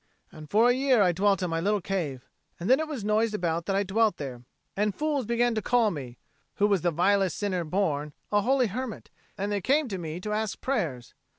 And for a year I dwelt in my little cave: then it was noised about that I dwelt there, and fools began to call me, who was the vilest sinner born, a holy hermit, and they came to me to ask prayers.